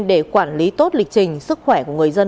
để quản lý tốt lịch trình sức khỏe của người dân